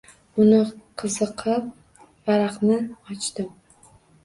Uni qiziqib varaqni ochdim.